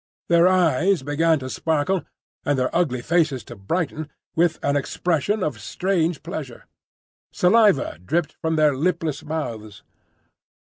Their eyes began to sparkle, and their ugly faces to brighten, with an expression of strange pleasure. Saliva dripped from their lipless mouths.